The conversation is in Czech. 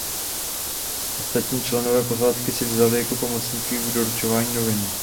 Ostatní členy posádky si vzali jako pomocníky v doručování novin.